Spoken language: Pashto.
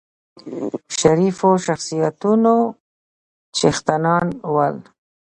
شریفو شخصیتونو څښتنان ول.